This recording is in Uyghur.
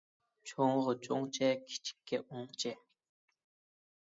چوڭغا چوڭچە، كىچىككە ئوڭچە